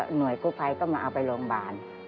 หน่วยกู้ภัยก็มาเอาไปโรงพยาบาล